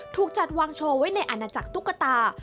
ถูกจัดวางโชว์ไว้ในอาณาจักรตุ๊กตา